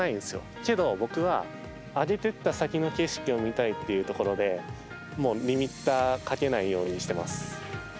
けど、僕は上げていった先の景色を見たいというところでリミッターかけないようにしています。